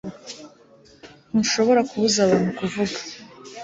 ntushobora kubuza abantu kuvuga